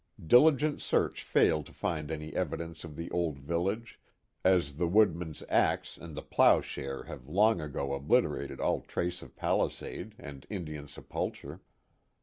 Diligent search failed to find any evidence of the old village, as the woodman's axe and the ploughshare have long ago obliterated all trace of palisade and Indian sepulture.